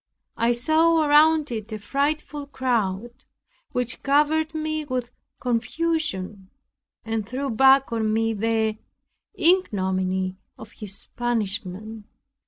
I saw around it a frightful crowd, which covered me with confusion, and threw back on me the ignominy of his punishment.